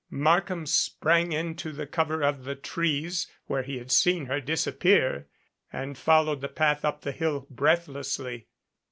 Markham sprang into the cover of the trees where he had seen her disappear and followed the path up the hill breathlessly.